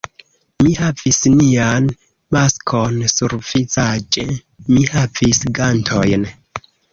Mi havis nian maskon survizaĝe, mi havis gantojn.